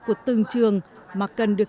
của từng trường mà cần được